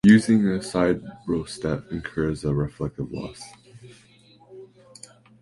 Using a siderostat incurs a reflective loss.